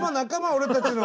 俺たちの。